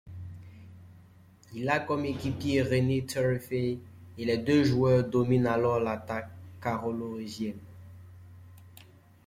Il a comme équipier René Thirifays et les deux joueurs dominent alors l'attaque Carolorégienne.